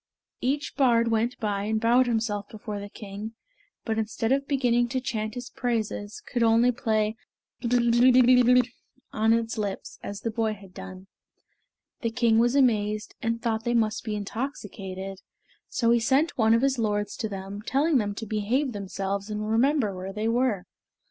Each bard went by and bowed himself before the king, but instead of beginning to chant his praises, could only play "Blerwm, Blerwm" on the lips, as the boy had done. The king was amazed and thought they must be intoxicated, so he sent one of his lords to them, telling them to behave themselves and remember where they were.